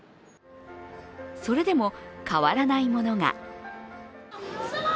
それでも、変わらないものが。